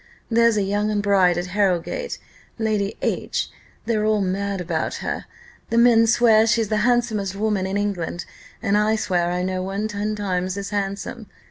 There's a young bride at Harrowgate, Lady H , they're all mad about her; the men swear she's the handsomest woman in England, and I swear I know one ten times as handsome.